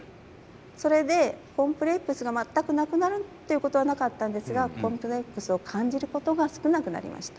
それでコンプレックスが全くなくなるということはなかったんですがコンプレックスを感じることが少なくなりました。